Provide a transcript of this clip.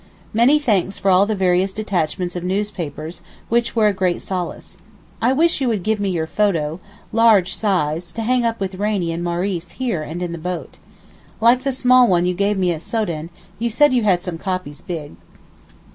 Many thanks for all the various detachments of newspapers, which were a great solace. I wish you would give me your photo—large size—to hang up with Rainie and Maurice here and in the boat. Like the small one you gave me at Soden, you said you had some copies big.